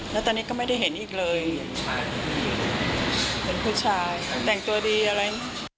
แล้วตอนนี้ก็ไม่ได้เห็นอีกเลยเป็นผู้ชายแต่งตัวดีอะไร